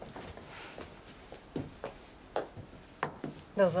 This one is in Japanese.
どうぞ。